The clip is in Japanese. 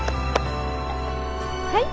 はい。